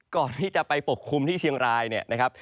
ก่อนที่จะไปปกคลุมที่เชียงรายเนี่ยนะครับ